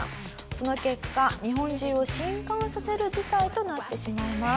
その結果日本中を震撼させる事態となってしまいます。